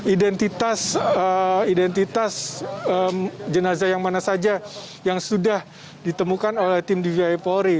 untuk identitas jenazah yang mana saja yang sudah ditemukan oleh tim dgnri